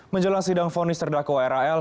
menjelang sidang fonis terdakwa ral